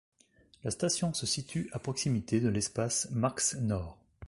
La station se situe à proximité de l'Espace Marx Nord.